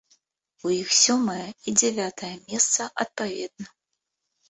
У іх сёмае і дзявятае месца адпаведна.